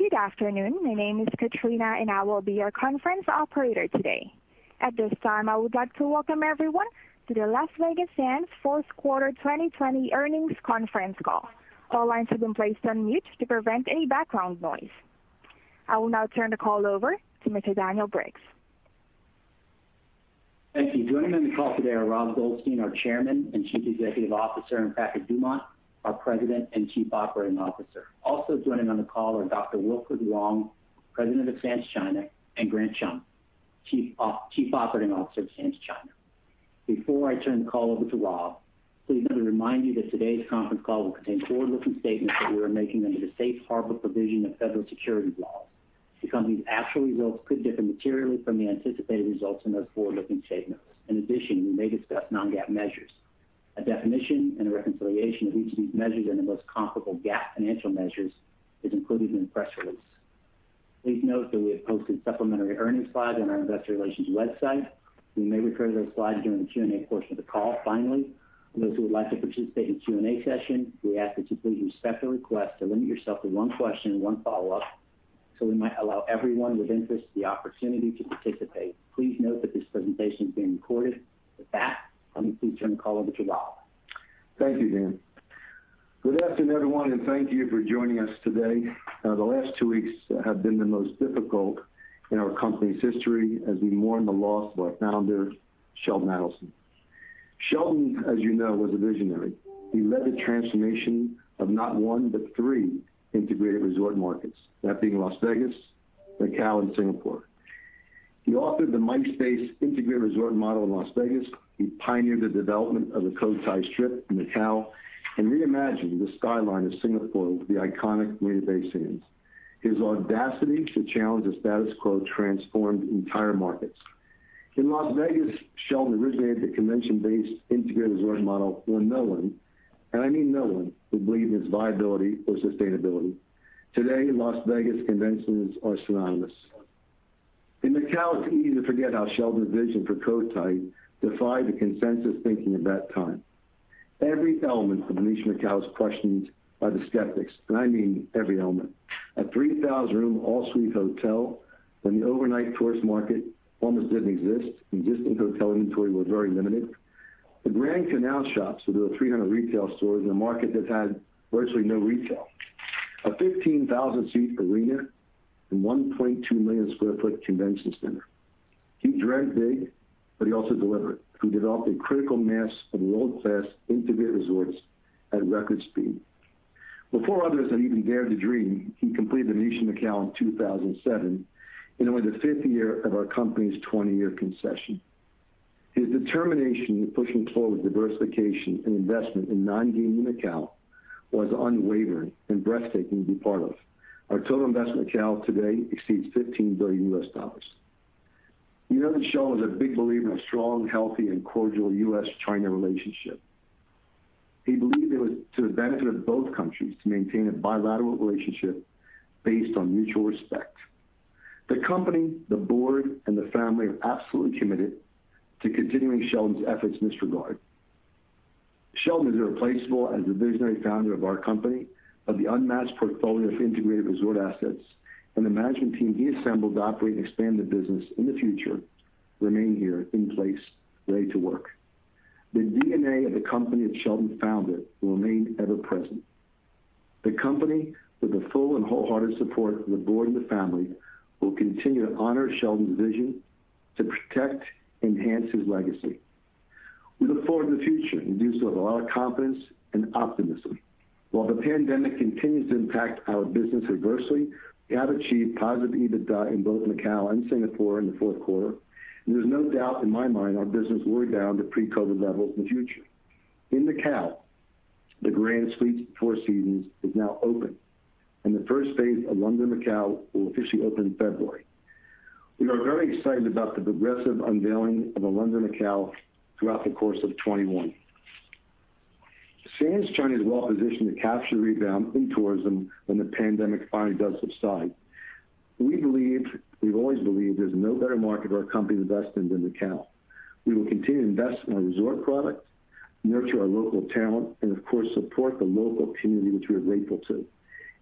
Good afternoon. My name is Katrina. I will be your conference operator today. At this time, I would like to welcome everyone to The Las Vegas Sands fourth quarter 2020 earnings conference call. All lines have been placed on mute to prevent any background noise. I will now turn the call over to Mr. Daniel Briggs. Thank you. Joining on the call today are Rob Goldstein, our Chairman and Chief Executive Officer, and Patrick Dumont, our President and Chief Operating Officer. Also joining on the call are Dr. Wilfred Wong, President of Sands China, and Grant Chum, Chief Operating Officer of Sands China. Before I turn the call over to Rob, please let me remind you that today's conference call will contain forward-looking statements that we are making under the safe harbor provision of federal securities laws. The company's actual results could differ materially from the anticipated results in those forward-looking statements. In addition, we may discuss non-GAAP measures. A definition and a reconciliation of each of these measures and the most comparable GAAP financial measures is included in the press release. Please note that we have posted supplementary earnings slides on our investor relations website. We may refer to those slides during the Q&A portion of the call. Finally, for those who would like to participate in the Q&A session, we ask that you please respect the request to limit yourself to one question and one follow-up, so we might allow everyone with interest the opportunity to participate. Please note that this presentation is being recorded. With that, let me please turn the call over to Rob. Thank you, Dan. Good afternoon, everyone, and thank you for joining us today. The last two weeks have been the most difficult in our company's history as we mourn the loss of our founder, Sheldon Adelson. Sheldon, as you know, was a visionary. He led the transformation of not one but three integrated resort markets, that being Las Vegas, Macao, and Singapore. He authored the MICE-based integrated resort model in Las Vegas. He pioneered the development of the Cotai Strip in Macao and reimagined the skyline of Singapore with the iconic Marina Bay Sands. His audacity to challenge the status quo transformed entire markets. In Las Vegas, Sheldon originated the convention-based integrated resort model when no one, and I mean no one, would believe in its viability or sustainability. Today, Las Vegas conventions are synonymous. In Macao, it's easy to forget how Sheldon's vision for Cotai defied the consensus thinking at that time. Every element of the Venetian Macao was questioned by the skeptics, and I mean every element. A 3,000-room all-suite hotel when the overnight tourist market almost didn't exist and existing hotel inventory was very limited. The Grand Canal Shoppes, with over 300 retail stores in a market that had virtually no retail. A 15,000-seat arena and 1.2 million sq ft convention center. He dreamt big, but he also delivered. He developed a critical mass of world-class integrated resorts at record speed. Before others had even dared to dream, he completed Venetian Macao in 2007, in only the fifth year of our company's 20-year concession. His determination in pushing forward diversification and investment in non-gaming Macao was unwavering and breathtaking to be part of. Our total bets in Macao today exceeds $15 billion. You know that Sheldon was a big believer in a strong, healthy, and cordial U.S.-China relationship. He believed it was to the benefit of both countries to maintain a bilateral relationship based on mutual respect. The company, the board, and the family are absolutely committed to continuing Sheldon's efforts in this regard. Sheldon is irreplaceable as the visionary founder of our company, of the unmatched portfolio of integrated resort assets, and the management team he assembled to operate and expand the business in the future remain here in place, ready to work. The DNA of the company that Sheldon founded will remain ever present. The company, with the full and wholehearted support of the board and the family, will continue to honor Sheldon's vision to protect, enhance his legacy. We look forward to the future and do so with a lot of confidence and optimism. While the pandemic continues to impact our business adversely, we have achieved positive EBITDA in both Macao and Singapore in the fourth quarter. There's no doubt in my mind our business will rebound to pre-COVID levels in the future. In Macao, the Grand Suites at Four Seasons is now open, and the first phase of Londoner Macao will officially open in February. We are very excited about the progressive unveiling of the Londoner Macao throughout the course of 2021. Sands China is well-positioned to capture the rebound in tourism when the pandemic finally does subside. We've always believed there's no better market for our company to invest in than Macao. We will continue to invest in our resort product, nurture our local talent, and of course, support the local community which we are grateful to.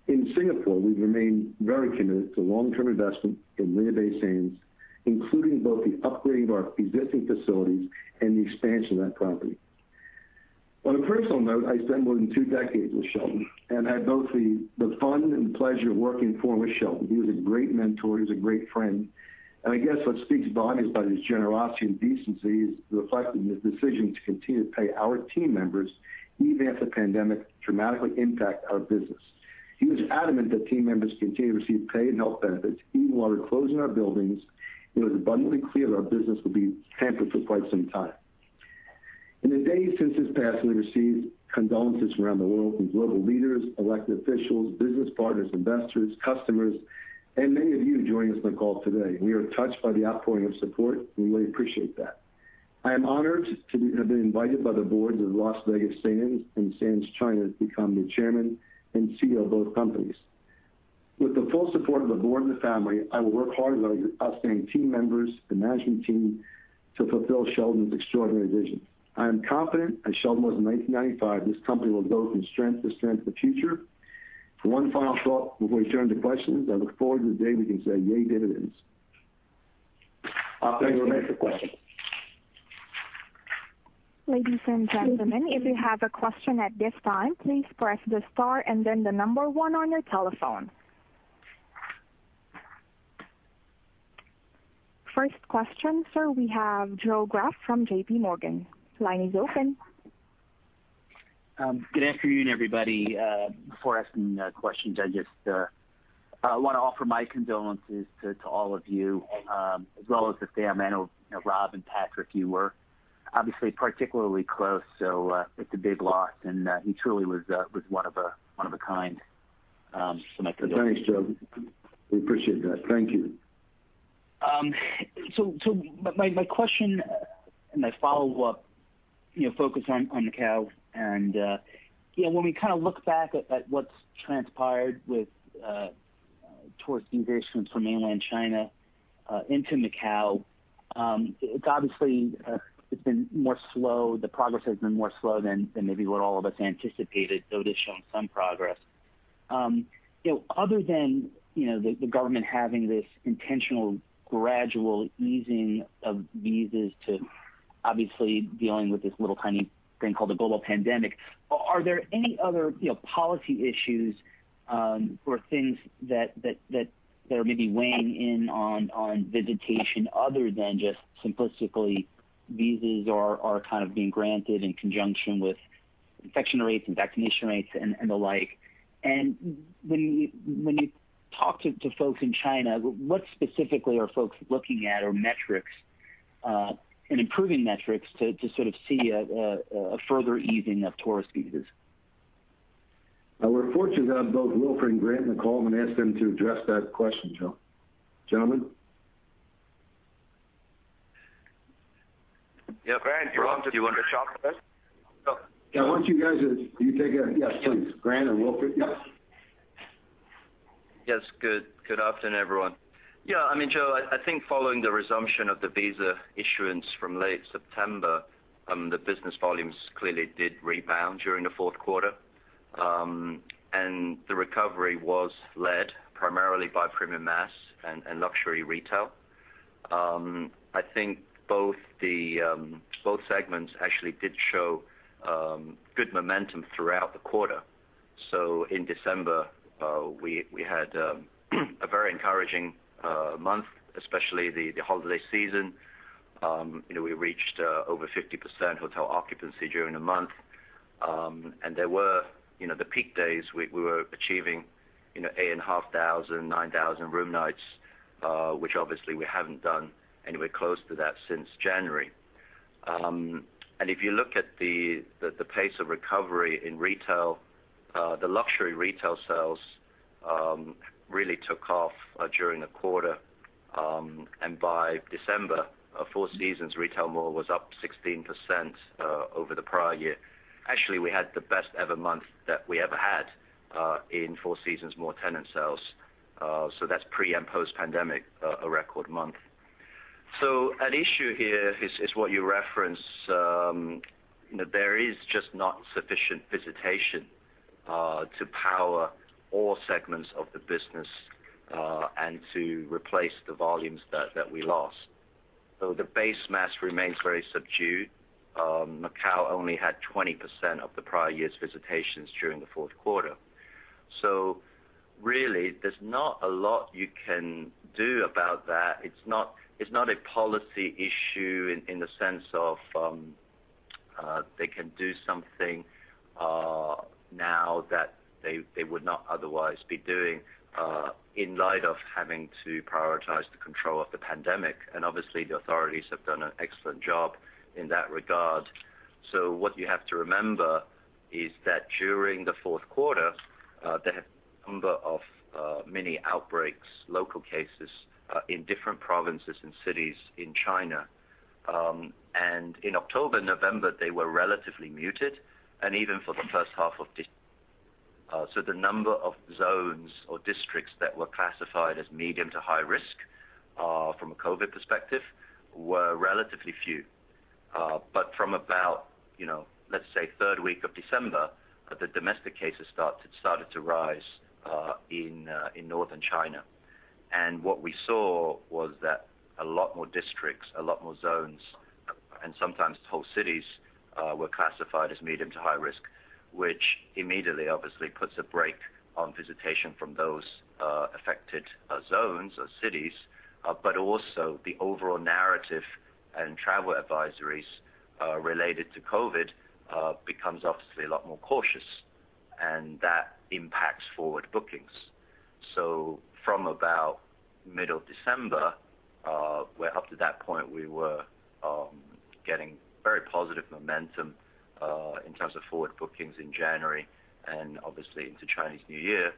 In Singapore, we remain very committed to long-term investment in Marina Bay Sands, including both the upgrading of our existing facilities and the expansion of that property. On a personal note, I spent more than two decades with Sheldon and had both the fun and pleasure of working for Sheldon. He was a great mentor, he was a great friend. I guess what speaks volumes about his generosity and decency is reflected in his decision to continue to pay our team members even as the pandemic dramatically impact our business. He was adamant that team members continue to receive pay and health benefits even while we're closing our buildings. It was abundantly clear that our business would be hampered for quite some time. In the days since his passing, we received condolences from around the world from global leaders, elected officials, business partners, investors, customers, and many of you joining us on the call today. We are touched by the outpouring of support. We really appreciate that. I am honored to have been invited by the boards of Las Vegas Sands and Sands China to become the Chairman and CEO of both companies. With the full support of the board and the family, I will work hard with our outstanding team members and management team to fulfill Sheldon's extraordinary vision. I am confident, as Sheldon was in 1995, this company will go from strength to strength in the future. One final thought before we turn to questions. I look forward to the day we can say, "Yay, dividends." Operator, remain for questions. Ladies and gentlemen, if you have a question at this time, please press the star and then the number one on your telephone. First question, sir, we have Joe Greff from JPMorgan. Line is open. Good afternoon, everybody. Before asking questions, I just want to offer my condolences to all of you, as well as the family of Rob and Patrick. You were obviously particularly close, so it's a big loss, and he truly was one of a kind. Thanks, Joe. We appreciate that. Thank you. My question and my follow-up focus on Macao, and when we look back at what's transpired towards the investments from mainland China into Macao, obviously the progress has been more slow than maybe what all of us anticipated, though it has shown some progress. Other than the government having this intentional gradual easing of visas to obviously dealing with this little tiny thing called the global pandemic, are there any other policy issues or things that are maybe weighing in on visitation other than just simplistically visas are being granted in conjunction with infection rates and vaccination rates and the like? When you talk to folks in China, what specifically are folks looking at or metrics, and improving metrics, to see a further easing of tourist visas? We're fortunate to have both Wilfred and Grant on the call. I'm going to ask them to address that question, Joe. Gentlemen? Yeah, Grant, do you want to talk to this? Yeah. Why don't you guys, you take it. Yeah, please, Grant and Wilfred. Yeah. Yes. Good afternoon, everyone. Yeah, Joe, I think following the resumption of the visa issuance from late September, the business volumes clearly did rebound during the fourth quarter. The recovery was led primarily by premium mass and luxury retail. I think both segments actually did show good momentum throughout the quarter. In December, we had a very encouraging month, especially the holiday season. We reached over 50% hotel occupancy during the month. The peak days, we were achieving 8,500, 9,000 room nights, which obviously we haven't done anywhere close to that since January. If you look at the pace of recovery in retail, the luxury retail sales really took off during the quarter. By December, Four Seasons retail mall was up 16% over the prior year. Actually, we had the best ever month that we ever had in Four Seasons mall tenant sales. That's pre and post-pandemic, a record month. An issue here is what you referenced. There is just not sufficient visitation to power all segments of the business, and to replace the volumes that we lost. The base mass remains very subdued. Macao only had 20% of the prior year's visitations during the fourth quarter. Really, there's not a lot you can do about that. It's not a policy issue in the sense of they can do something now that they would not otherwise be doing in light of having to prioritize the control of the pandemic, and obviously the authorities have done an excellent job in that regard. What you have to remember is that during the fourth quarter, there have been a number of mini outbreaks, local cases in different provinces and cities in China. In October, November, they were relatively muted, and even for the first half of December. The number of zones or districts that were classified as medium to high risk, from a COVID perspective, were relatively few. From about, let's say third week of December, the domestic cases started to rise in Northern China. What we saw was that a lot more districts, a lot more zones, and sometimes whole cities, were classified as medium to high risk, which immediately obviously puts a brake on visitation from those affected zones or cities. Also the overall narrative and travel advisories related to COVID becomes obviously a lot more cautious, and that impacts forward bookings. From about mid of December, where up to that point we were getting very positive momentum in terms of forward bookings in January and obviously into Chinese New Year,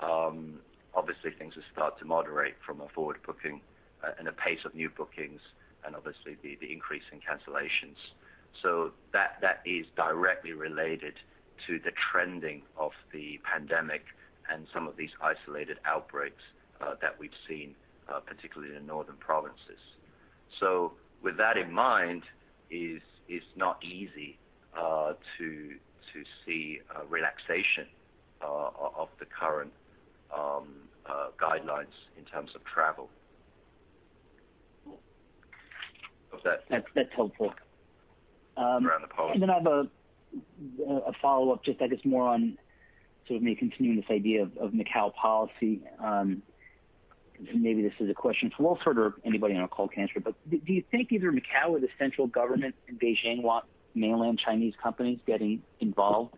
obviously things have started to moderate from a forward booking and a pace of new bookings and obviously the increase in cancellations. That is directly related to the trending of the pandemic and some of these isolated outbreaks that we've seen, particularly in the northern provinces. With that in mind. It's not easy to see a relaxation of the current guidelines in terms of travel. Cool. Hope that- That's helpful. around the policy. Then I have a follow-up, just I guess more on sort of maybe continuing this idea of Macau policy. Maybe this is a question for Wilfred or anybody on the call can answer, but do you think either Macau or the central government in Beijing want mainland Chinese companies getting involved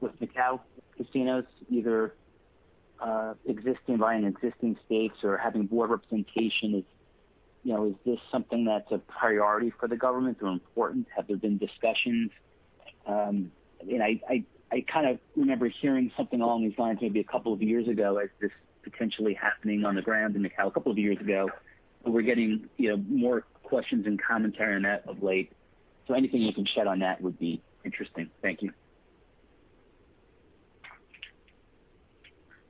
with Macau casinos, either buying existing stakes or having board representation? Is this something that's a priority for the government or important? Have there been discussions? I kind of remember hearing something along these lines maybe a couple of years ago as this potentially happening on the ground in Macau a couple of years ago. But we're getting more questions and commentary on that of late. So anything you can shed on that would be interesting. Thank you.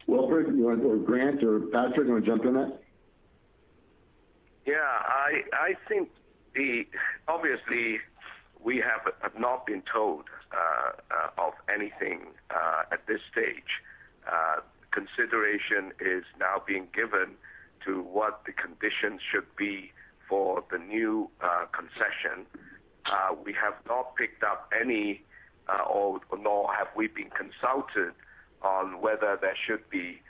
Wilfred, you want to, or Grant or Patrick, you want to jump on that? Yeah, obviously, we have not been told of anything at this stage. Consideration is now being given to what the conditions should be for the new concession. We have not picked up any, nor have we been consulted on whether there should be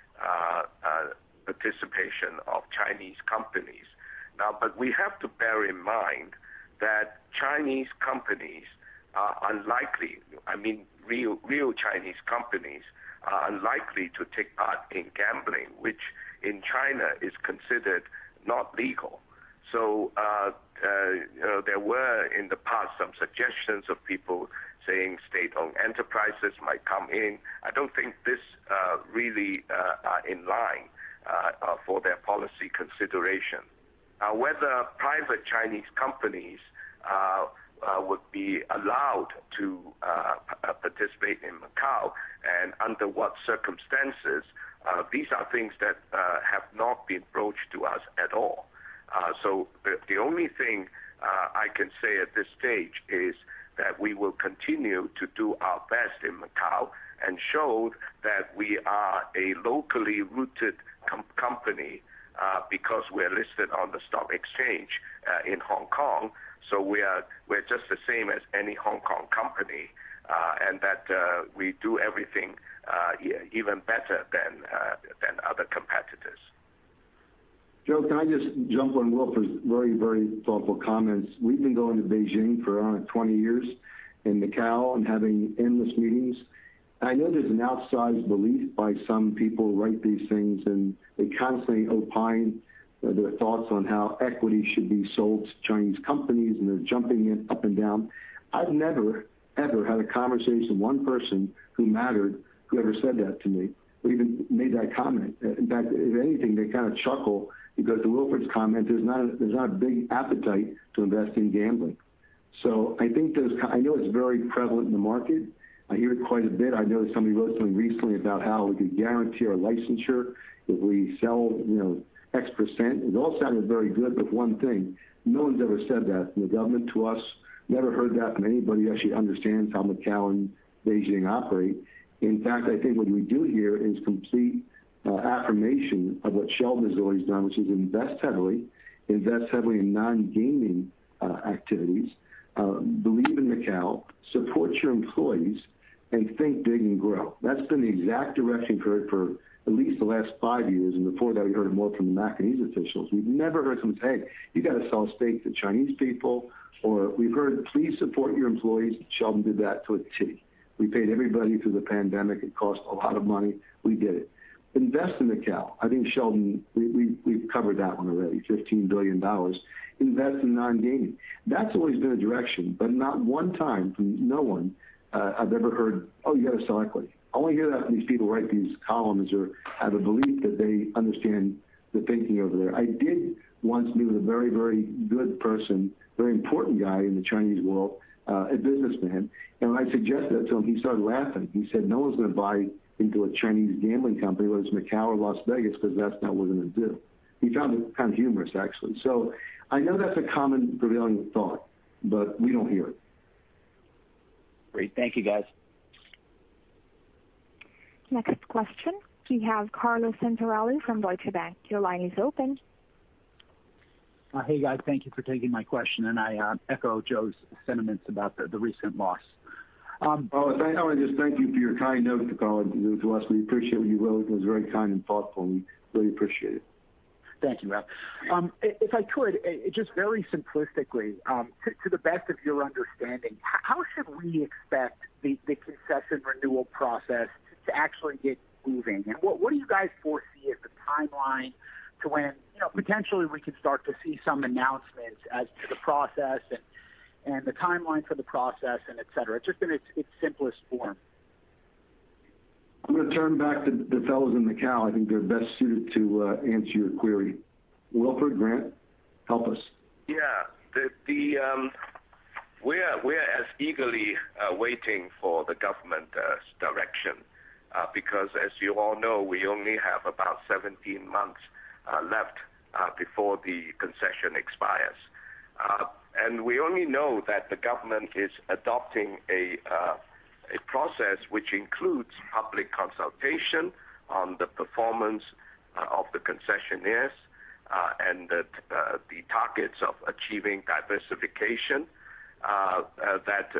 participation of Chinese companies. We have to bear in mind that Chinese companies are unlikely, I mean, real Chinese companies are unlikely to take part in gambling, which in China is considered not legal. There were, in the past, some suggestions of people saying state-owned enterprises might come in. I don't think this really are in line for their policy consideration. Whether private Chinese companies would be allowed to participate in Macao and under what circumstances, these are things that have not been broached to us at all. The only thing I can say at this stage is that we will continue to do our best in Macao and show that we are a locally rooted company because we're listed on the stock exchange in Hong Kong. We're just the same as any Hong Kong company, and that we do everything even better than other competitors. Joe, can I just jump on Wilfred's very, very thoughtful comments. We've been going to Beijing for around 20 years in Macao and having endless meetings. I know there's an outsized belief by some people who write these things, and they constantly opine their thoughts on how equity should be sold to Chinese companies, and they're jumping in up and down. I've never, ever had a conversation, one person who mattered, who ever said that to me or even made that comment. In fact, if anything, they kind of chuckle because of Wilfred's comment. There's not a big appetite to invest in gambling. I know it's very prevalent in the market. I hear it quite a bit. I know somebody wrote something recently about how we could guarantee our licensure if we sell X percent. It all sounded very good, one thing, no one's ever said that from the government to us. Never heard that from anybody who actually understands how Macao and Beijing operate. In fact, I think what we do hear is complete affirmation of what Sheldon has always done, which is invest heavily, invest heavily in non-gaming activities, believe in Macao, support your employees, and think big and grow. That's been the exact direction for at least the last five years. Before that, we heard it more from the Macanese officials. We've never heard someone say, "Hey, you got to sell stakes to Chinese people," or we've heard, "Please support your employees." Sheldon did that to a T. We paid everybody through the pandemic. It cost a lot of money. We did it. Invest in Macao. I think Sheldon, we've covered that one already, $15 billion. Invest in non-gaming. That's always been a direction, not one time from no one, I've ever heard, "Oh, you got to sell equity." I only hear that when these people write these columns or have a belief that they understand the thinking over there. I did once meet with a very, very good person, very important guy in the Chinese world, a businessman. When I suggested that to him, he started laughing. He said, "No one's going to buy into a Chinese gambling company, whether it's Macao or Las Vegas, because that's not what they're going to do." He found it kind of humorous, actually. I know that's a common prevailing thought, but we don't hear it. Great. Thank you, guys. Next question. We have Carlo Santarelli from Deutsche Bank. Your line is open. Hey, guys. Thank you for taking my question. I echo Joe's sentiments about the recent loss. I want to just thank you for your kind note to us. We appreciate what you wrote. It was very kind and thoughtful, and we really appreciate it. Thank you, Rob. If I could, just very simplistically, to the best of your understanding, how should we expect the concession renewal process to actually get moving? What do you guys foresee as the timeline to when potentially we could start to see some announcements as to the process and the timeline for the process and et cetera? Just in its simplest form. I'm going to turn back to the fellas in Macau. I think they're best suited to answer your query. Wilfred, Grant, help us. Yeah. We're as eagerly waiting for the government's direction. Because as you all know, we only have about 17 months left before the concession expires. We only know that the government is adopting a process which includes public consultation on the performance of the concessionaires, and that the targets of achieving diversification, that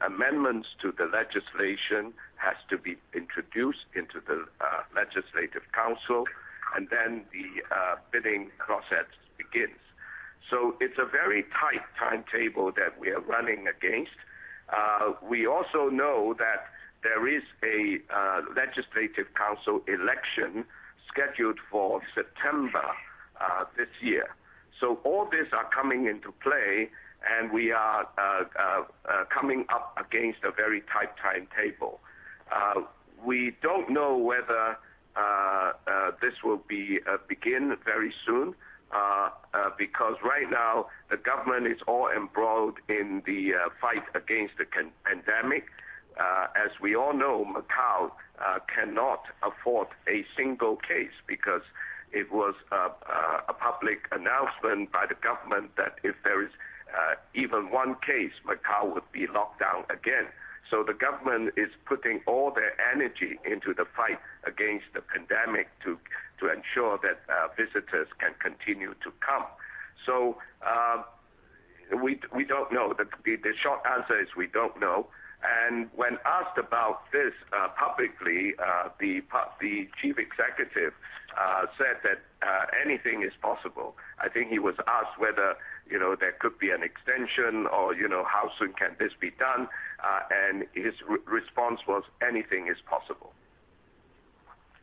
amendments to the legislation has to be introduced into the legislative council, and then the bidding process begins. It's a very tight timetable that we are running against. We also know that there is a legislative council election scheduled for September this year. All these are coming into play, and we are coming up against a very tight timetable. We don't know whether this will begin very soon, because right now the government is all embroiled in the fight against the pandemic. As we all know, Macao cannot afford a single case because it was a public announcement by the government that if there is even one case, Macao would be locked down again. The government is putting all their energy into the fight against the pandemic to ensure that visitors can continue to come. We don't know. The short answer is we don't know. When asked about this publicly, the Chief Executive said that anything is possible. I think he was asked whether there could be an extension or how soon can this be done, and his response was, "Anything is possible.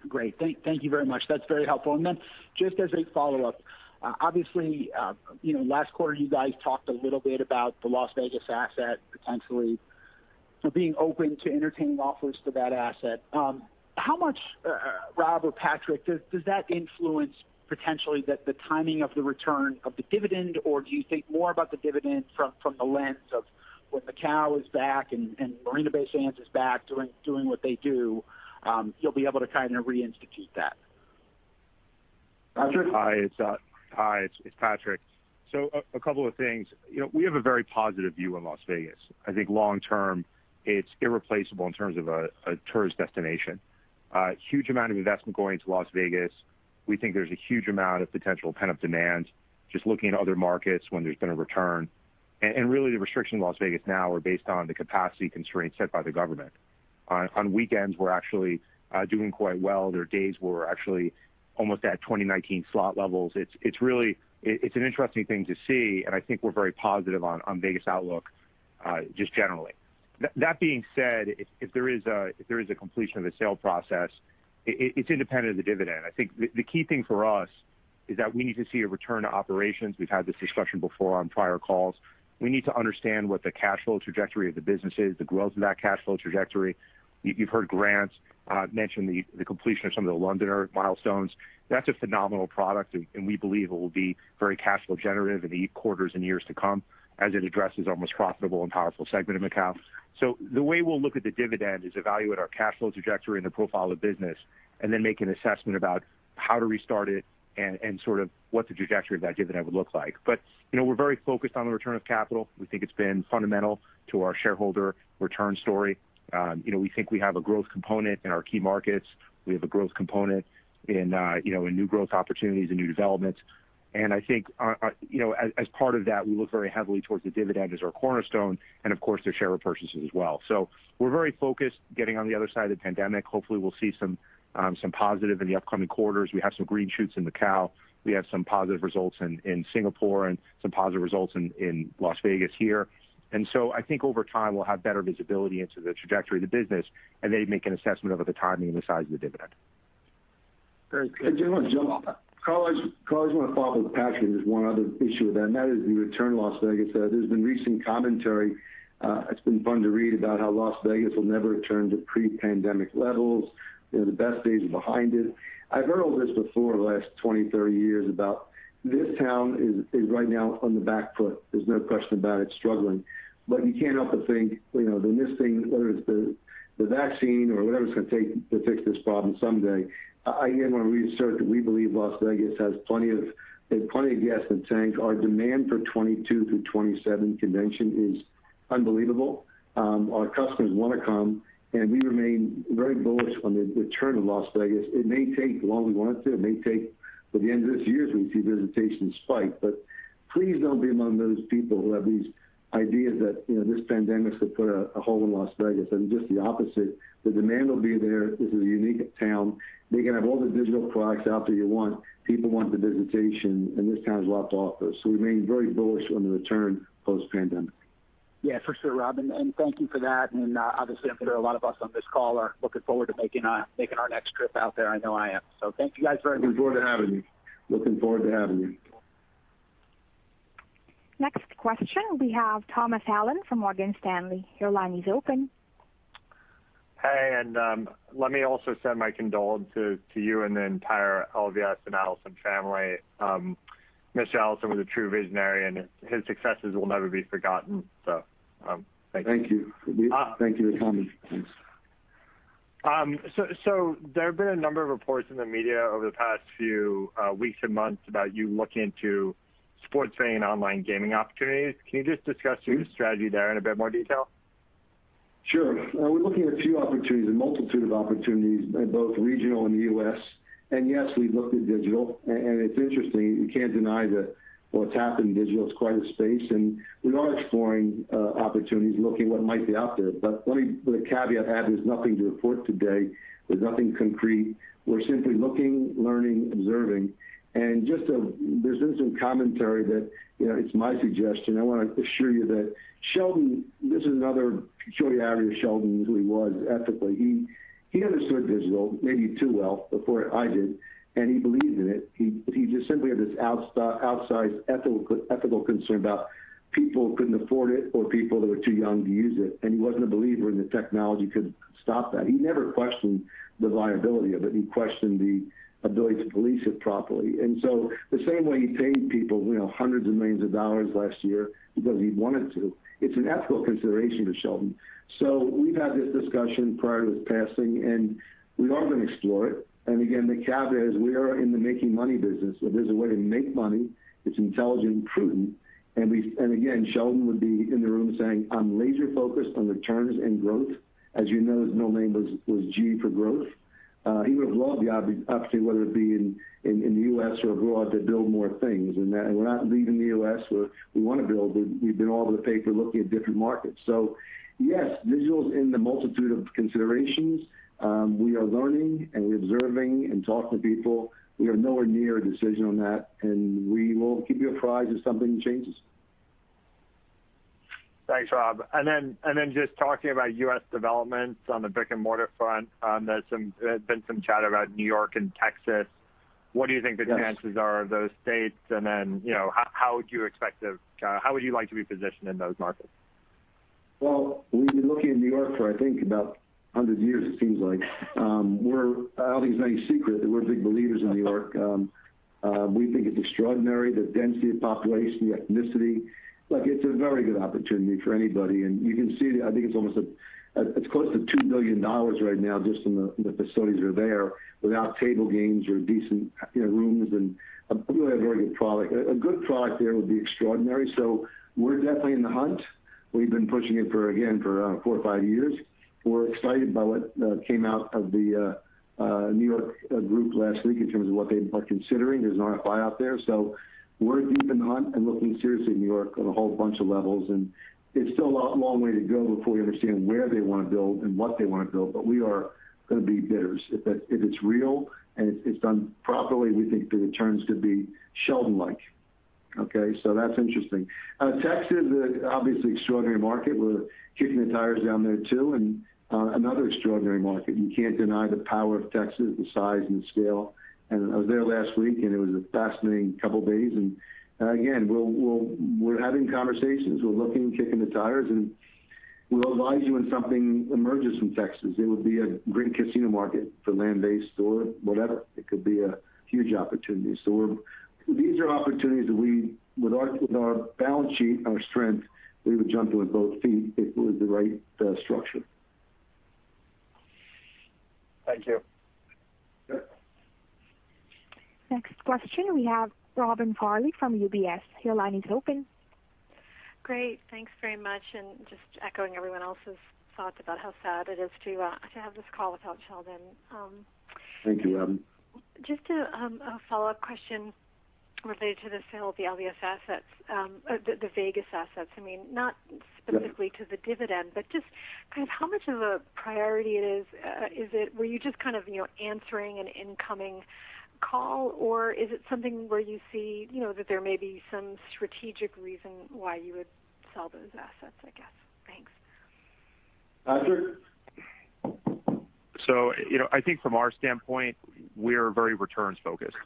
Great. Thank you very much. That's very helpful. Then just as a follow-up, obviously, last quarter you guys talked a little bit about the Las Vegas asset potentially being open to entertaining offers for that asset. How much, Rob or Patrick, does that influence potentially the timing of the return of the dividend, or do you think more about the dividend from the lens of when Macao is back and Marina Bay Sands is back doing what they do, you'll be able to kind of reinstitute that? Patrick? Hi, it's Patrick. A couple of things. We have a very positive view on Las Vegas. I think long term, it's irreplaceable in terms of a tourist destination. A huge amount of investment going to Las Vegas. We think there's a huge amount of potential pent-up demand just looking at other markets when there's been a return. Really, the restrictions in Las Vegas now are based on the capacity constraints set by the government. On weekends, we're actually doing quite well. There are days where we're actually almost at 2019 slot levels. It's an interesting thing to see, and I think we're very positive on Vegas outlook, just generally. That being said, if there is a completion of a sale process, it's independent of the dividend. I think the key thing for us is that we need to see a return to operations. We've had this discussion before on prior calls. We need to understand what the cash flow trajectory of the business is, the growth of that cash flow trajectory. You've heard Grant mention the completion of some of The Londoner milestones. That's a phenomenal product, and we believe it will be very cash flow generative in the quarters and years to come as it addresses our most profitable and powerful segment in Macao. The way we'll look at the dividend is evaluate our cash flow trajectory and the profile of the business, and then make an assessment about how to restart it and sort of what the trajectory of that dividend would look like. We're very focused on the return of capital. We think it's been fundamental to our shareholder return story. We think we have a growth component in our key markets. We have a growth component in new growth opportunities and new developments. I think as part of that, we look very heavily towards the dividend as our cornerstone, of course, the share repurchases as well. We're very focused getting on the other side of the pandemic. Hopefully, we'll see some positive in the upcoming quarters. We have some green shoots in Macao. We have some positive results in Singapore and some positive results in Las Vegas here. I think over time, we'll have better visibility into the trajectory of the business, and then make an assessment over the timing and the size of the dividend. Very good. I just want to jump. Carlo, I just want to follow up with Patrick. There's one other issue with that is the return to Las Vegas. There's been recent commentary, it's been fun to read about how Las Vegas will never return to pre-pandemic levels. The best days are behind it. I've heard all this before the last 20, 30 years about this town is right now on the back foot. There's no question about it struggling. You can't help but think, the next thing, whether it's the vaccine or whatever it's going to take to fix this problem someday. Again, when we restart, we believe Las Vegas has plenty of gas in the tank. Our demand for 2022 through 2027 convention is unbelievable. Our customers want to come, and we remain very bullish on the return of Las Vegas. It may take longer than we want it to. It may take till the end of this year till we see visitation spike. Please don't be among those people who have these ideas that this pandemic has put a hole in Las Vegas. It's just the opposite. The demand will be there. This is a unique town. They can have all the digital products out there you want. People want the visitation, and this town is locked off. We remain very bullish on the return post-pandemic. Yeah, for sure, Rob, thank you for that. Obviously, I'm sure a lot of us on this call are looking forward to making our next trip out there. I know I am. Thank you guys very much. Looking forward to having you. Next question, we have Thomas Allen from Morgan Stanley. Your line is open. Let me also send my condolence to you and the entire LVS and Adelson family. Mr. Adelson was a true visionary, and his successes will never be forgotten. Thank you. Thank you. Thank you for your comments. Thanks. There have been a number of reports in the media over the past few weeks and months about you looking into sports betting and online gaming opportunities. Can you just discuss your strategy there in a bit more detail? Sure. We're looking at a few opportunities, a multitude of opportunities in both regional and the U.S. Yes, we've looked at digital. It's interesting, you can't deny that what's happened in digital, it's quite a space, and we are exploring opportunities, looking at what might be out there. Let me the caveat added, there's nothing to report today. There's nothing concrete. We're simply looking, learning, observing. There's been some commentary that, it's my suggestion, I want to assure you that Sheldon, this is another story out of Sheldon, who he was ethically. He understood digital maybe too well before I did, and he believed in it. He just simply had this outsized ethical concern about people couldn't afford it, or people that were too young to use it, and he wasn't a believer in the technology could stop that. He never questioned the viability of it. He questioned the ability to police it properly. The same way he paid people hundreds of millions of dollars last year because he wanted to, it's an ethical consideration to Sheldon. We've had this discussion prior to his passing, and we are going to explore it. Again, the caveat is we are in the making money business. If there's a way to make money, it's intelligent and prudent, and again, Sheldon would be in the room saying, "I'm laser focused on returns and growth." As you know, his middle name was G for growth. He would've loved the opportunity, whether it be in the U.S. or abroad, to build more things. We're not leaving the U.S. where we want to build. We've been all over the paper looking at different markets. Yes, digital's in the multitude of considerations. We are learning and we're observing and talking to people. We are nowhere near a decision on that, and we will keep you apprised if something changes. Thanks, Rob. Just talking about U.S. developments on the brick and mortar front. There's been some chatter about New York and Texas. Yes the chances are of those states, and then, how would you like to be positioned in those markets? We've been looking in New York for I think about 100 years, it seems like. I don't think it's any secret that we're big believers in New York. We think it's extraordinary, the density of population, the ethnicity. Like it's a very good opportunity for anybody, and you can see it. I think it's close to $2 billion right now just in the facilities that are there without table games or decent rooms and a really very good product. A good product there would be extraordinary. We're definitely in the hunt. We've been pushing it for, again, for four or five years. We're excited by what came out of the New York group last week in terms of what they are considering. There's an RFI out there, so we're deep in the hunt and looking seriously at New York on a whole bunch of levels, and it's still a long way to go before we understand where they want to build and what they want to build, but we are going to be bidders. If it's real and it's done properly, we think the returns could be Sheldon-like. Okay. That's interesting. Texas is obviously an extraordinary market. We're kicking the tires down there too, and another extraordinary market. You can't deny the power of Texas, the size and the scale. I was there last week, and it was a fascinating couple of days. Again, we're having conversations. We're looking, kicking the tires, and we'll advise you when something emerges from Texas. It would be a great casino market for land-based or whatever. It could be a huge opportunity. These are opportunities that we, with our balance sheet, our strength, we would jump to with both feet if it was the right structure. Thank you. Sure. Next question, we have Robin Farley from UBS. Your line is open. Great. Thanks very much. Just echoing everyone else's thoughts about how sad it is to have this call without Sheldon. Thank you, Robin. Just a follow-up question related to the sale of the LVS assets, the Vegas assets. Not specifically to the dividend, but just kind of how much of a priority it is. Were you just kind of answering an incoming call, or is it something where you see that there may be some strategic reason why you would sell those assets, I guess? Thanks. Patrick? I think from our standpoint, we're very returns focused.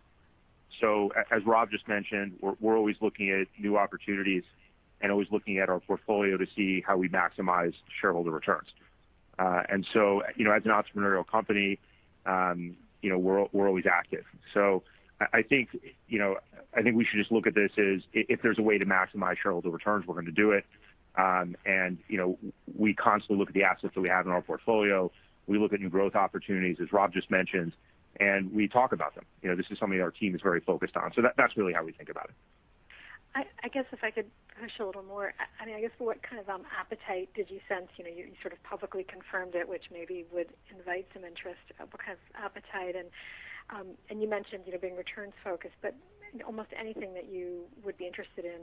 As Rob just mentioned, we're always looking at new opportunities and always looking at our portfolio to see how we maximize shareholder returns. As an entrepreneurial company, we're always active. I think we should just look at this as if there's a way to maximize shareholder returns, we're going to do it. We constantly look at the assets that we have in our portfolio. We look at new growth opportunities, as Rob just mentioned, and we talk about them. This is something our team is very focused on. That's really how we think about it. I guess if I could push a little more. I guess what kind of appetite did you sense? You sort of publicly confirmed it, which maybe would invite some interest, what kind of appetite and, you mentioned being returns focused, but almost anything that you would be interested in,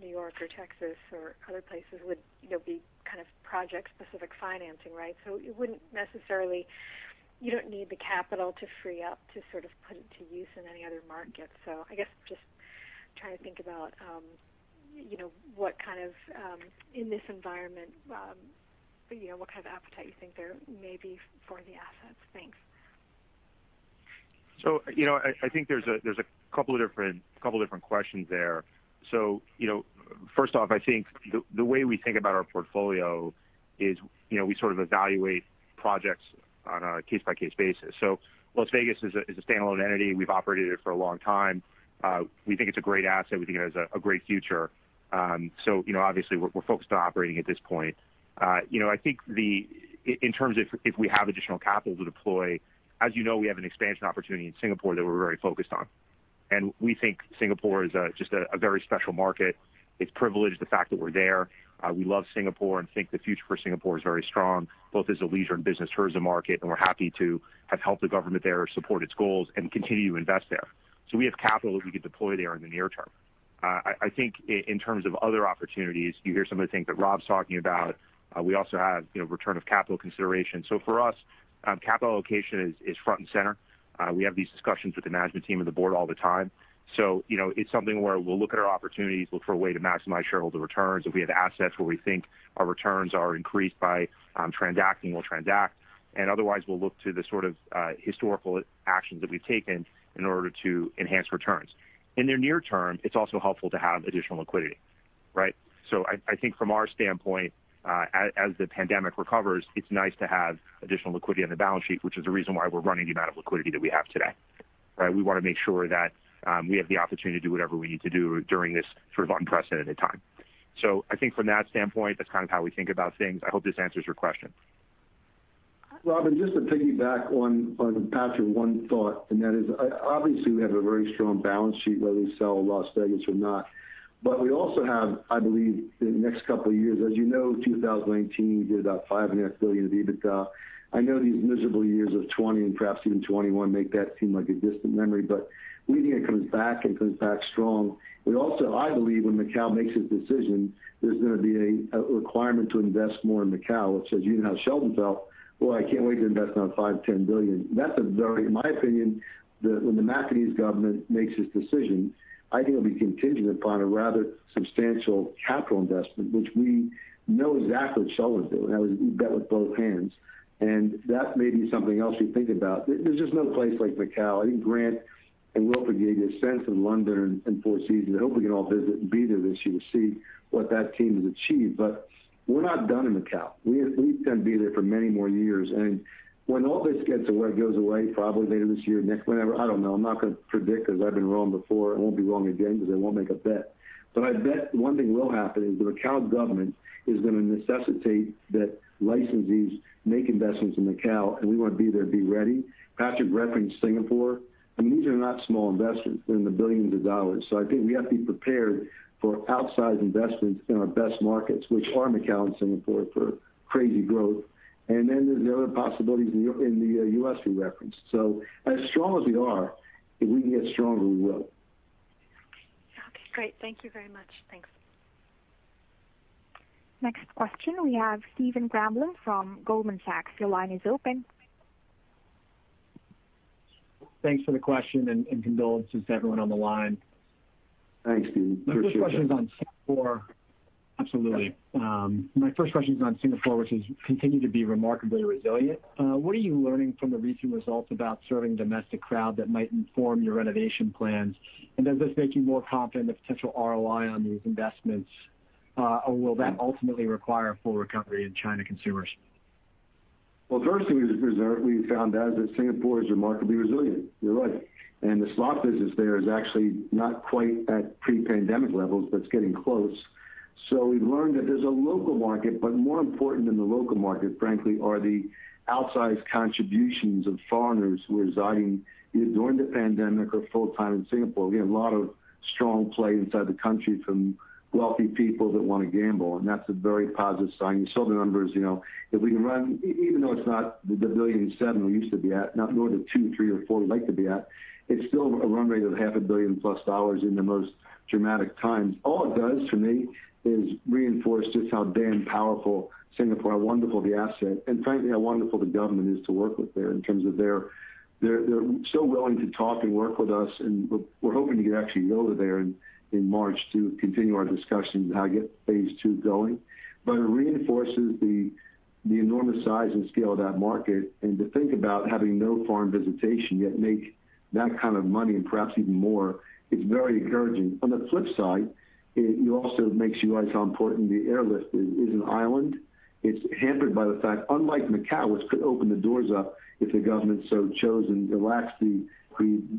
New York or Texas or other places would be kind of project specific financing, right? You don't need the capital to free up to sort of put it to use in any other market. I guess just trying to think about, in this environment, what kind of appetite you think there may be for the assets. Thanks. I think there's a couple of different questions there. First off, I think the way we think about our portfolio is, we sort of evaluate projects on a case-by-case basis. Las Vegas is a standalone entity. We've operated it for a long time. We think it's a great asset. We think it has a great future. Obviously we're focused on operating at this point. I think in terms of if we have additional capital to deploy, as you know, we have an expansion opportunity in Singapore that we're very focused on. We think Singapore is just a very special market. It's privileged, the fact that we're there. We love Singapore and think the future for Singapore is very strong, both as a leisure and business tourism market, and we're happy to have helped the government there support its goals and continue to invest there. We have capital that we could deploy there in the near term. I think in terms of other opportunities, you hear some of the things that Rob's talking about. We also have return of capital consideration. For us, capital allocation is front and center. We have these discussions with the management team and the board all the time. It's something where we'll look at our opportunities, look for a way to maximize shareholder returns. If we have assets where we think our returns are increased by transacting, we'll transact. Otherwise, we'll look to the sort of historical actions that we've taken in order to enhance returns. In the near term, it's also helpful to have additional liquidity. Right? I think from our standpoint, as the pandemic recovers, it's nice to have additional liquidity on the balance sheet, which is the reason why we're running the amount of liquidity that we have today. Right? We want to make sure that we have the opportunity to do whatever we need to do during this sort of unprecedented time. I think from that standpoint, that's kind of how we think about things. I hope this answers your question. Robin, just to piggyback on Patrick, one thought, and that is, obviously, we have a very strong balance sheet, whether we sell Las Vegas or not. We also have, I believe, the next couple of years, as you know, 2019, we did about $5.5 billion of EBITDA. I know these miserable years of 2020 and perhaps even 2021 make that seem like a distant memory, we think it comes back and comes back strong. Also, I believe when Macao makes its decision, there's going to be a requirement to invest more in Macao, which, as you know how Sheldon felt, "Boy, I can't wait to invest another $5 billion-$10 billion." That's a very, in my opinion, when the Macanese government makes its decision, I think it'll be contingent upon a rather substantial capital investment, which we know exactly what Sheldon did. That was he bet with both hands. That may be something else you think about. There's just no place like Macao. I think Grant and Wilfred gave you a sense of London and Four Seasons, and hopefully you can all visit and be there this year to see what that team has achieved. We're not done in Macao. We're going to be there for many more years. When all this gets, or goes away, probably later this year, next, whenever, I don't know. I'm not going to predict because I've been wrong before. I won't be wrong again because I won't make a bet. I bet one thing will happen is the Macao government is going to necessitate that licensees make investments in Macao, and we want to be there, be ready. Patrick referenced Singapore. I mean, these are not small investments. They're in the billions of dollars. I think we have to be prepared for outsized investments in our best markets, which are Macao and Singapore for crazy growth. Then there's the other possibilities in the U.S. you referenced. As strong as we are, if we can get stronger, we will. Okay, great. Thank you very much. Thanks. Next question, we have Stephen Grambling from Goldman Sachs. Your line is open. Thanks for the question and condolences to everyone on the line. Thanks, Stephen. Appreciate that. My first question's on Singapore. Absolutely. My first question's on Singapore, which has continued to be remarkably resilient. What are you learning from the recent results about serving domestic crowd that might inform your renovation plans? Does this make you more confident of potential ROI on these investments? Will that ultimately require a full recovery in China consumers? The first thing is we found out that Singapore is remarkably resilient. You're right. The slot business there is actually not quite at pre-pandemic levels, but it's getting close. We've learned that there's a local market, but more important than the local market, frankly, are the outsized contributions of foreigners who are residing either during the pandemic or full-time in Singapore. We have a lot of strong play inside the country from wealthy people that want to gamble, and that's a very positive sign. You saw the numbers. If we can run, even though it's not the billion seven we used to be at, nor the two, three, or four we'd like to be at, it's still a run rate of half a billion-plus dollars in the most dramatic times. All it does for me is reinforce just how damn powerful Singapore, how wonderful the asset, and frankly, how wonderful the government is to work with there in terms of their. They're so willing to talk and work with us, and we're hoping to actually go there in March to continue our discussions on how to get phase two going. It reinforces the enormous size and scale of that market, and to think about having no foreign visitation, yet make that kind of money and perhaps even more, is very encouraging. On the flip side, it also makes you realize how important the airlift is. It is an island. It's hampered by the fact, unlike Macao, which could open the doors up if the government so chose and relaxed the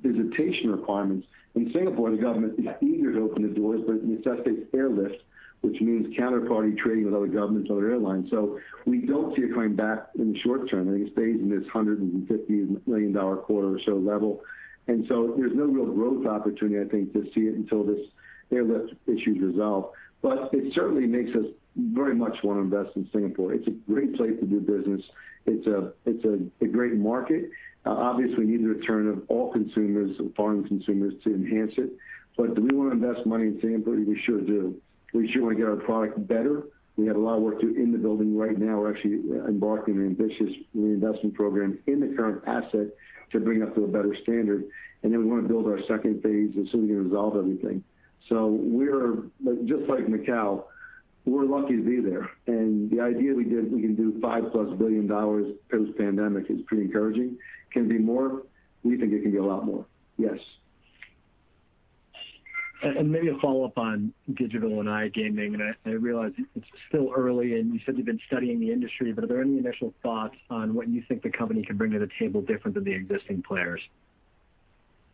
visitation requirements. In Singapore, the government is eager to open the doors, but it necessitates airlift, which means counterparty trading with other governments, other airlines. We don't see it coming back in the short term. I think it stays in this $150 million quarter or so level. There's no real growth opportunity, I think, to see it until this airlift issue's resolved. It certainly makes us very much want to invest in Singapore. It's a great place to do business. It's a great market. Obviously, we need the return of all consumers, foreign consumers, to enhance it. Do we want to invest money in Singapore? We sure do. We sure want to get our product better. We have a lot of work to do in the building right now. We're actually embarking an ambitious reinvestment program in the current asset to bring it up to a better standard. We want to build our second phase as soon as we can resolve everything. We're, just like Macao, we're lucky to be there. The idea that we can do $5+ billion post-pandemic is pretty encouraging. Can it be more? We think it can be a lot more. Yes. Maybe a follow-up on digital and iGaming, I realize it's still early, and you said you've been studying the industry, but are there any initial thoughts on what you think the company can bring to the table different than the existing players?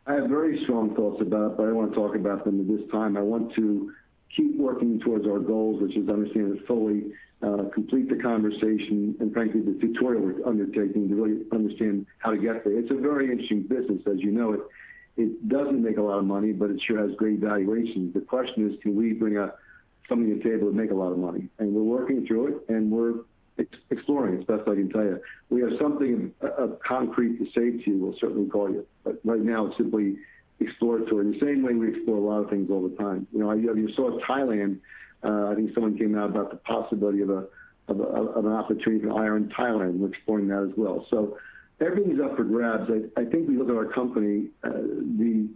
I have very strong thoughts about it, but I don't want to talk about them at this time. I want to keep working towards our goals, which is understanding to fully complete the conversation, and frankly, the tutorial we're undertaking to really understand how to get there. It's a very interesting business. As you know, it doesn't make a lot of money, but it sure has great valuations. The question is, can we bring something to the table that make a lot of money? We're working through it, and we're exploring. It's the best I can tell you. We have something concrete to say to you, we'll certainly call you. Right now, it's simply exploratory. In the same way we explore a lot of things all the time. You saw Thailand, I think someone came out about the possibility of an opportunity to hire in Thailand. We're exploring that as well. Everything is up for grabs. I think we look at our company, the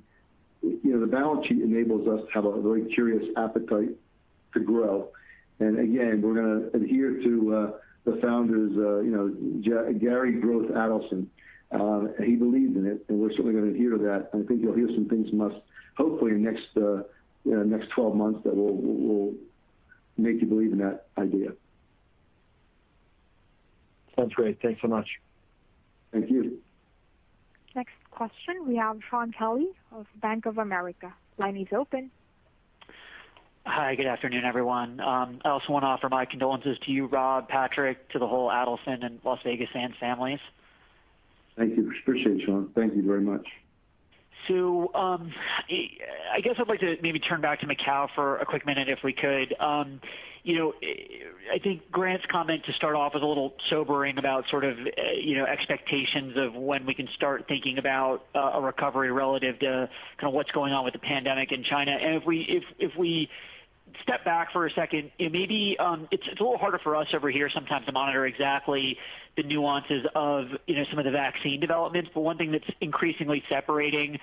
balance sheet enables us to have a very curious appetite to grow. Again, we're going to adhere to the founder Sheldon Adelson. He believed in it, we're certainly going to adhere to that. I think you'll hear some things, hopefully in the next 12 months, that will make you believe in that idea. Sounds great. Thanks so much. Thank you. Next question, we have Shaun Kelley of Bank of America. Line is open. Hi, good afternoon, everyone. I also want to offer my condolences to you, Rob, Patrick, to the whole Adelson and Las Vegas Sands families. Thank you. Appreciate it, Shaun. Thank you very much. I guess I'd like to maybe turn back to Macao for a quick minute, if we could. I think Grant's comment to start off was a little sobering about sort of expectations of when we can start thinking about a recovery relative to kind of what's going on with the pandemic in China. If we step back for a second, it's a little harder for us over here sometimes to monitor exactly the nuances of some of the vaccine developments. One thing that's increasingly separating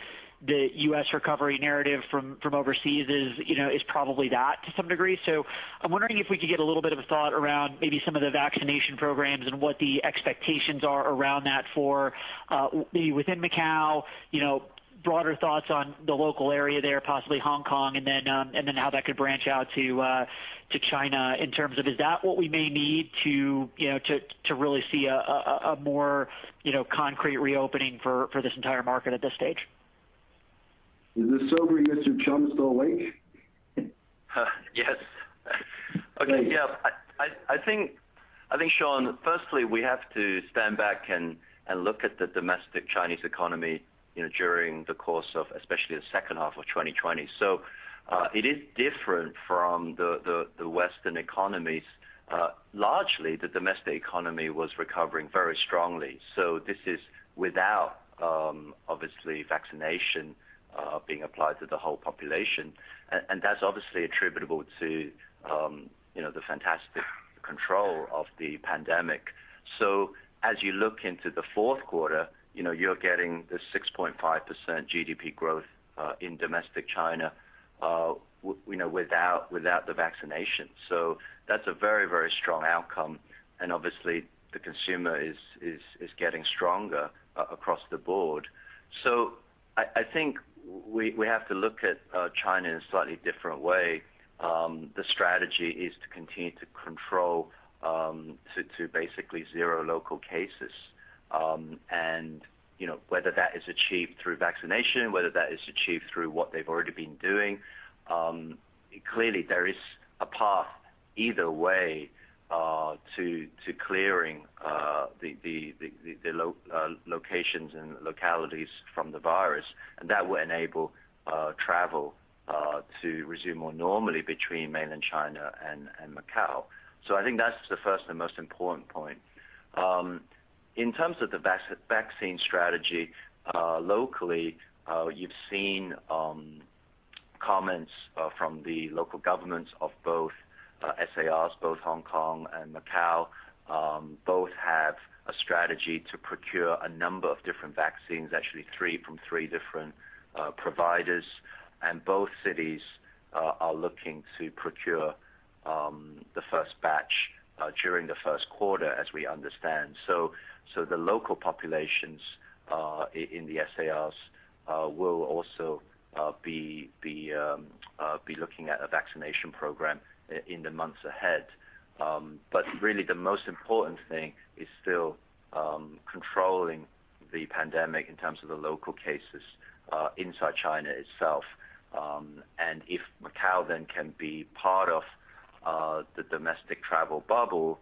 the U.S. recovery narrative from overseas is probably that to some degree. I'm wondering if we could get a little bit of a thought around maybe some of the vaccination programs and what the expectations are around that for within Macao, broader thoughts on the local area there, possibly Hong Kong, and then how that could branch out to China in terms of, is that what we may need to really see a more concrete reopening for this entire market at this stage? Is the sober Mr. Chum still awake? Yes. Okay. Yeah. I think, Shaun, firstly, we have to stand back and look at the domestic Chinese economy during the course of especially the second half of 2020. It is different from the Western economies. Largely, the domestic economy was recovering very strongly. This is without, obviously vaccination being applied to the whole population. That's obviously attributable to the fantastic control of the pandemic. As you look into the fourth quarter, you're getting this 6.5% GDP growth in domestic China without the vaccination. That's a very, very strong outcome. Obviously, the consumer is getting stronger across the board. I think we have to look at China in a slightly different way. The strategy is to continue to control to basically zero local cases. Whether that is achieved through vaccination, whether that is achieved through what they've already been doing, clearly there is a path either way, to clearing the locations and localities from the virus, and that will enable travel to resume more normally between mainland China and Macau. I think that's the first and most important point. In terms of the vaccine strategy locally, you've seen comments from the local governments of both SARs, both Hong Kong and Macau, both have a strategy to procure a number of different vaccines, actually three from three different providers. Both cities are looking to procure the first batch during the first quarter as we understand. The local populations, in the SARs will also be looking at a vaccination program in the months ahead. Really the most important thing is still controlling the pandemic in terms of the local cases inside China itself. If Macao then can be part of the domestic travel bubble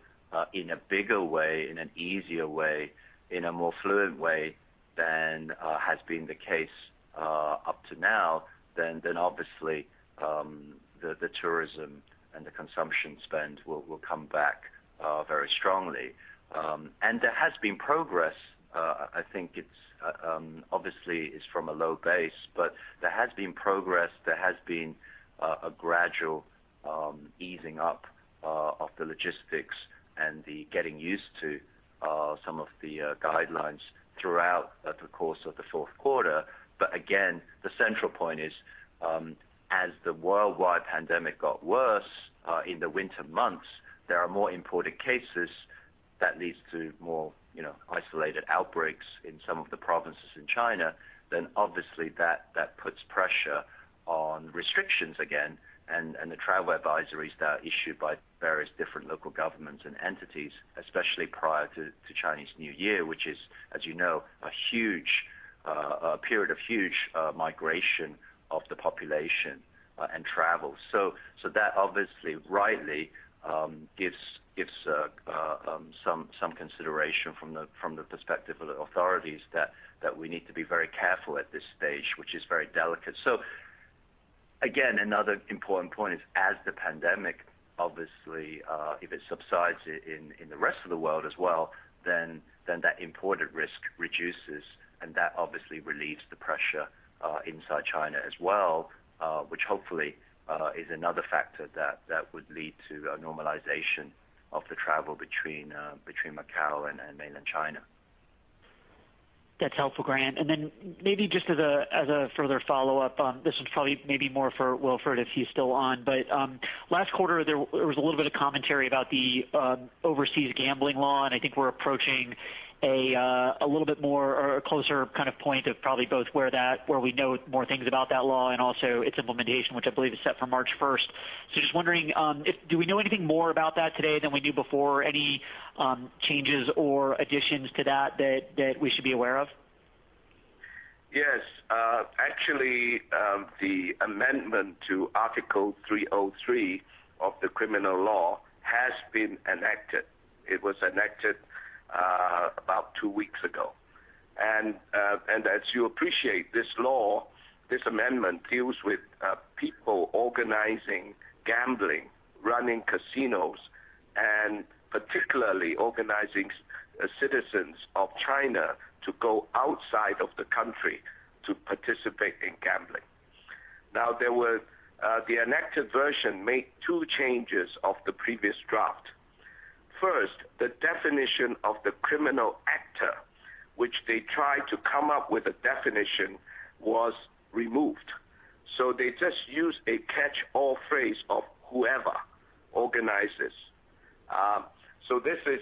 in a bigger way, in an easier way, in a more fluid way than has been the case up to now, then obviously, the tourism and the consumption spend will come back very strongly. There has been progress. I think obviously it's from a low base, but there has been progress, there has been a gradual easing up of the logistics and the getting used to some of the guidelines throughout the course of the Fourth Quarter. Again, the central point is, as the worldwide pandemic got worse in the winter months, there are more imported cases that leads to more isolated outbreaks in some of the provinces in China. Pressure on restrictions again, and the travel advisories that are issued by various different local governments and entities, especially prior to Chinese New Year, which is, as you know, a period of huge migration of the population and travel. That obviously rightly gives some consideration from the perspective of the authorities that we need to be very careful at this stage, which is very delicate. Again, another important point is as the pandemic, obviously, if it subsides in the rest of the world as well, then that imported risk reduces, and that obviously relieves the pressure inside China as well, which hopefully is another factor that would lead to a normalization of the travel between Macau and mainland China. That's helpful, Grant. Then maybe just as a further follow-up, this one's probably maybe more for Wilfred if he's still on. Last quarter, there was a little bit of commentary about the overseas gambling law, and I think we're approaching a little bit more or a closer point of probably both where we know more things about that law and also its implementation, which I believe is set for March 1st. Just wondering, do we know anything more about that today than we knew before? Any changes or additions to that that we should be aware of? Yes. Actually, the amendment to Article 303 of the criminal law has been enacted. It was enacted about two weeks ago. As you appreciate, this law, this amendment deals with people organizing gambling, running casinos, and particularly organizing citizens of China to go outside of the country to participate in gambling. The enacted version made two changes of the previous draft. First, the definition of the criminal actor, which they tried to come up with a definition, was removed. They just used a catch-all phrase of whoever organizes. This is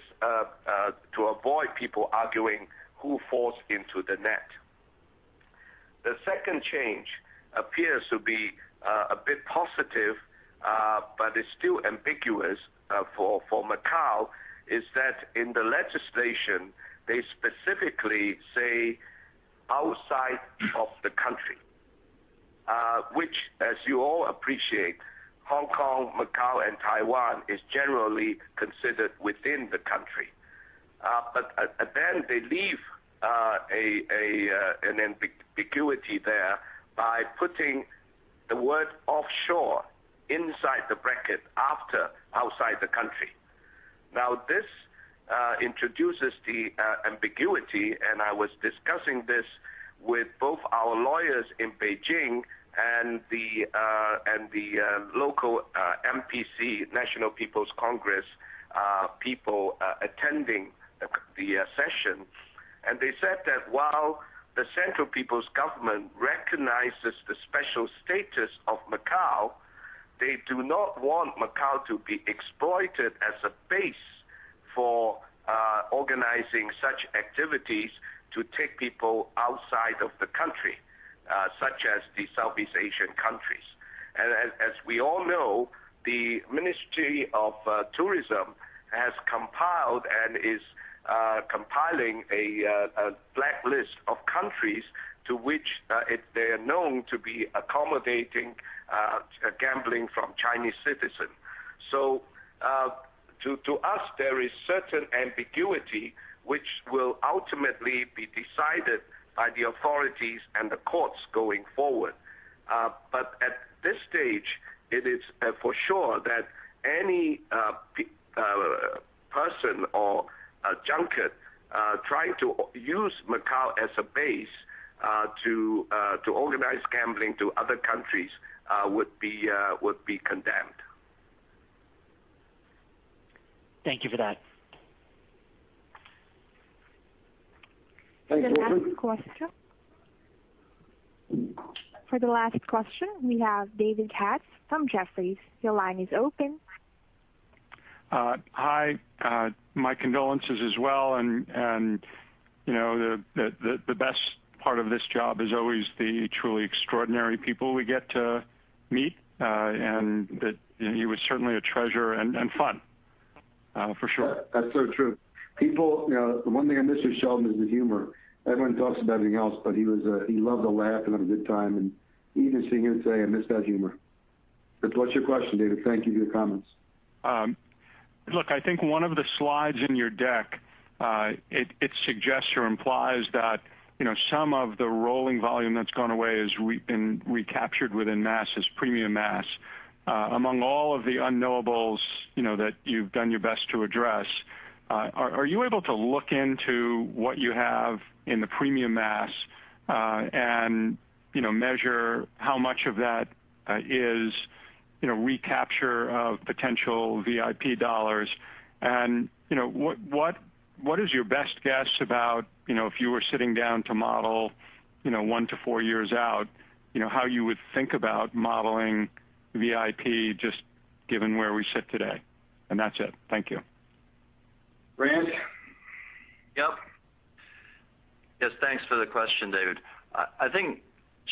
to avoid people arguing who falls into the net. The second change appears to be a bit positive, but it's still ambiguous for Macau, is that in the legislation, they specifically say outside of the country, which, as you all appreciate, Hong Kong, Macau, and Taiwan is generally considered within the country. They leave an ambiguity there by putting the word offshore inside the bracket after outside the country. This introduces the ambiguity, and I was discussing this with both our lawyers in Beijing and the local NPC, National People's Congress, people attending the session. They said that while the Central People's Government recognizes the special status of Macao, they do not want Macao to be exploited as a base for organizing such activities to take people outside of the country, such as the Southeast Asian countries. As we all know, the Ministry of Culture and Tourism has compiled and is compiling a blacklist of countries to which they are known to be accommodating gambling from Chinese citizens. To us, there is certain ambiguity which will ultimately be decided by the authorities and the courts going forward. At this stage, it is for sure that any person or junket trying to use Macao as a base to organize gambling to other countries would be condemned. Thank you for that. Thank you. The last question. For the last question, we have David Katz from Jefferies. Your line is open. Hi. My condolences as well, and the best part of this job is always the truly extraordinary people we get to meet, and that he was certainly a treasure and fun for sure. That's so true. One thing I miss with Sheldon is his humor. Everyone talks about everything else, but he loved to laugh and have a good time, and even seeing him today, I miss that humor. What's your question, David? Thank you for your comments. I think one of the slides in your deck, it suggests or implies that some of the rolling volume that's gone away has been recaptured within mass as premium mass. Among all of the unknowables that you've done your best to address, are you able to look into what you have in the premium mass, and measure how much of that is recapture of potential VIP dollars? What is your best guess about if you were sitting down to model one to four years out, how you would think about modeling VIP just given where we sit today? That's it. Thank you. Grant? Yep. Yes, thanks for the question, David. I think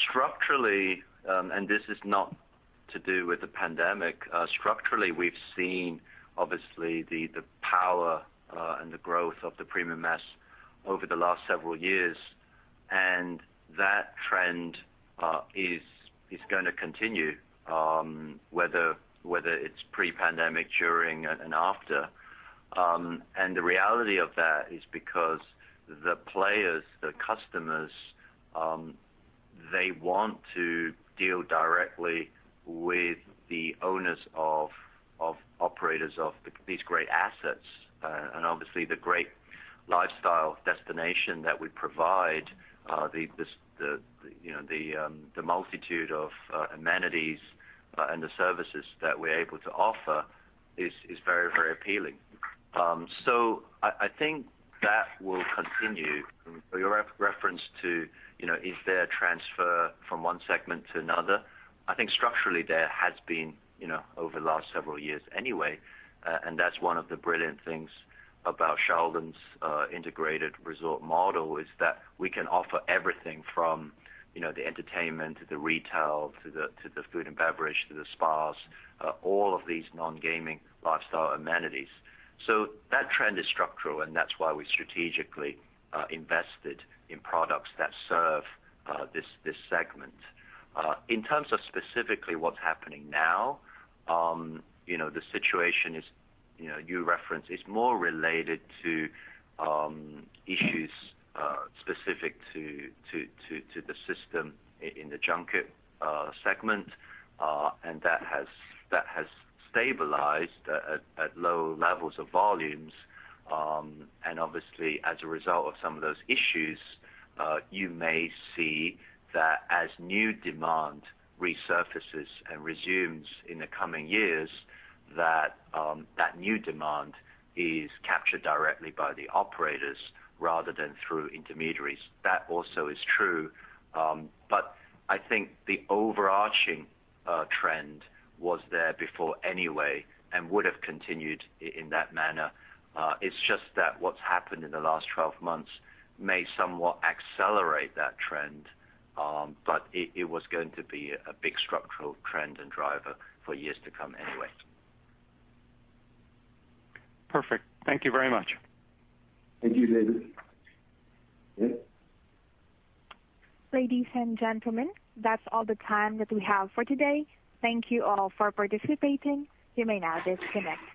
structurally, and this is not to do with the pandemic, structurally, we've seen, obviously, the power and the growth of the premium mass over the last several years. That trend is going to continue, whether it's pre-pandemic, during, and after. The reality of that is because the players, the customers, they want to deal directly with the owners of operators of these great assets. Obviously the great lifestyle destination that we provide, the multitude of amenities and the services that we're able to offer is very appealing. I think that will continue. Your reference to, is there a transfer from one segment to another? I think structurally there has been, over the last several years anyway, and that's one of the brilliant things about Sheldon's integrated resort model, is that we can offer everything from the entertainment, to the retail, to the food and beverage, to the spas, all of these non-gaming lifestyle amenities. That trend is structural, and that's why we strategically invested in products that serve this segment. In terms of specifically what's happening now, the situation you reference is more related to issues specific to the system in the junket segment, and that has stabilized at low levels of volumes. Obviously, as a result of some of those issues, you may see that as new demand resurfaces and resumes in the coming years, that that new demand is captured directly by the operators rather than through intermediaries. That also is true. I think the overarching trend was there before anyway and would've continued in that manner. It's just that what's happened in the last 12 months may somewhat accelerate that trend. It was going to be a big structural trend and driver for years to come anyway. Perfect. Thank you very much. Thank you, David. Yes? Ladies and gentlemen, that's all the time that we have for today. Thank you all for participating. You may now disconnect.